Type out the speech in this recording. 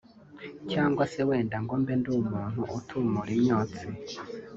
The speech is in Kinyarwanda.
cyangwa se wenda ngo mbe ndi umuntu utumura imyonsi